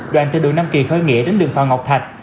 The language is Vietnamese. đoạn từ đường năm kỳ khơi nghĩa đến đường phào ngọc thạch